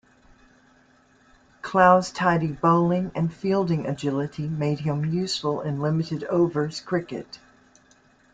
Clough's tidy bowling and fielding agility made him useful in limited-overs cricket.